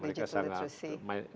tidak perlu digital